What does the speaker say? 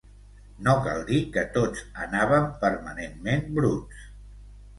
No cal dir que tots anàvem permanentment bruts.